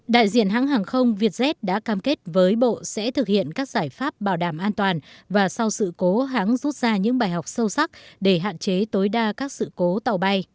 đại diện hãng hàng không vietjet đã cam kết với bộ sẽ thực hiện các giải pháp bảo đảm an toàn và sau sự cố hãng rút ra những bài học sâu sắc để hạn chế tối đa các sự cố tàu bay